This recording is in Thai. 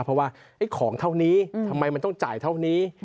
เพราะว่าของเท่านี้ทำไมมันต้องจ่ายเท่านี้